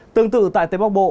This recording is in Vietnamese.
tương tự tại tây bắc bộ